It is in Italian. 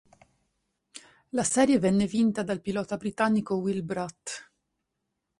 La serie venne vinta dal pilota britannico Will Bratt.